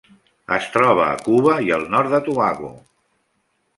Es troba a Cuba i al nord de Tobago.